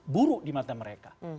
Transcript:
buruk di mata mereka